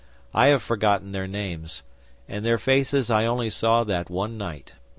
I have forgotten their names, and their faces I only saw that one night.